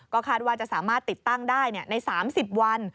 คาดว่าจะสามารถติดตั้งได้ใน๓๐วัน